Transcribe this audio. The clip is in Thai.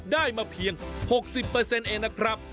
ได้มาเพียง๖๐เองนะครับ